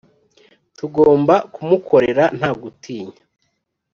Tugomba kumukorera nta gutinya,